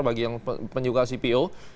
bagi penyuka cpo